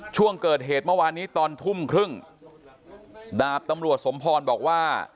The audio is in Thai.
ช่วงเกิดเหตุเมื่อวานนี้ตอนทุ่มครึ่งดาบตำรวจสมพรบอกว่า